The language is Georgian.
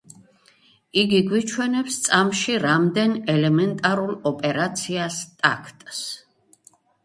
იგი გვიჩვენებს წამში რამდენ ელემენტარულ ოპერაციას-ტაქტს